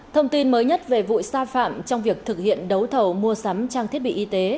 thông tin mới nhất về vụ sai phạm trong việc thực hiện đấu thầu mua sắm trang thiết bị y tế